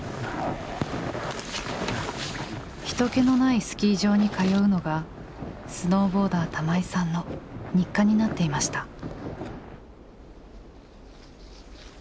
人けのないスキー場に通うのがスノーボーダー玉井さんの日課になっていました。